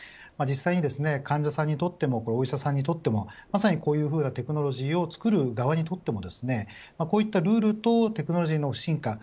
実際に患者さんにとってもお医者さんにとってもまさに、こういうテクノロジーを作る側にとってもこういったルールとテクノロジーの進化